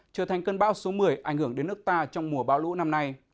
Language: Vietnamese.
trở thành cơn bão số một mươi ảnh hưởng đến nước ta trong mùa bão lũ năm nay